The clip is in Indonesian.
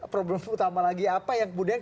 problem utama lagi apa yang kemudian